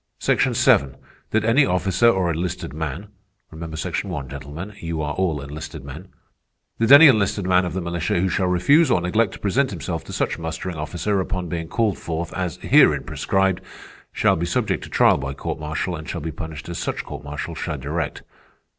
"'Section Seven, that any officer or enlisted man'—remember Section One, gentlemen, you are all enlisted men—'that any enlisted man of the militia who shall refuse or neglect to present himself to such mustering officer upon being called forth as herein prescribed, shall be subject to trial by court martial, and shall be punished as such court martial shall direct.